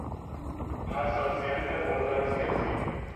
حساسیت اوضاع سیاسی